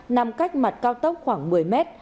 nằm cách mặt cao tốc khoảng một mươi m